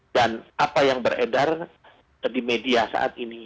dan apa yang beredar di media saat ini